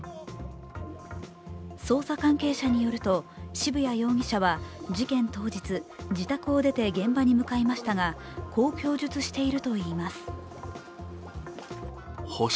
捜査関係者によると、渋谷容疑者は事件当日、自宅を出て現場に向かいましたがこう供述しているといいます。